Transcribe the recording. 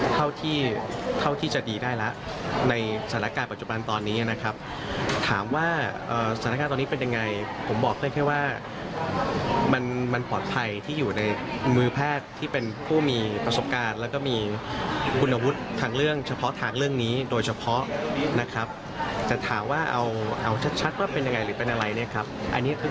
ถ้าเอาชัดว่าเป็นยังไงหรือเป็นอะไร